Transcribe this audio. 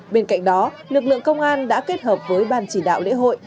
bên cạnh đó lực lượng công an đã kết hợp với ban chỉ đạo lễ hội